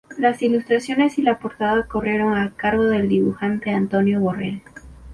Las ilustraciones y la portada corrieron a cargo del dibujante Antonio Borrell.